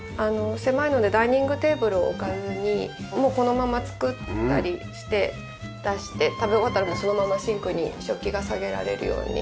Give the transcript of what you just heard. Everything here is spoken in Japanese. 狭いのでダイニングテーブルを置かずにこのまま作ったりして出して食べ終わったらそのままシンクに食器が下げられるように。